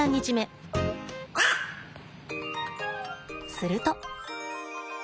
すると。